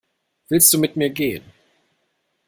Willst du mit mir gehen?